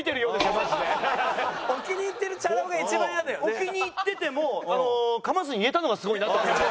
置きにいってても噛まずに言えたのがすごいなと思いました。